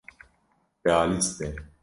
Realîst be.